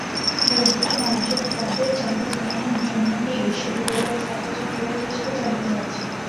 বর্ধিত মানুষের খাদ্যের চাহিদা পূরণের জন্য এই বিশ্ববিদ্যালয়ের ছাত্রছাত্রীরা চেষ্টা চালিয়ে যাচ্ছেন।